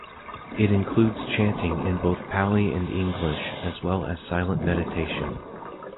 It includes chanting in both Pali and English, as well as silent meditation.